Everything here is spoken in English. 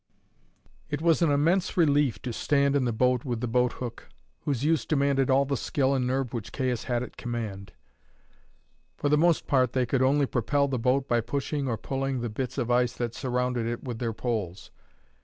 It was an immense relief to stand in the boat with the boat hook, whose use demanded all the skill and nerve which Caius had at command. For the most part they could only propel the boat by pushing or pulling the bits of ice that surrounded it with their poles.